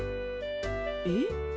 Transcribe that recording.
えっ？